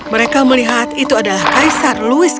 mereka melihat itu adalah kaisar louis